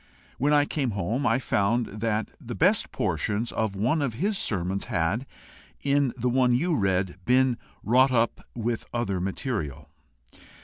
When I came home, I found that the best portions of one of his sermons had, in the one you read, been wrought up with other material.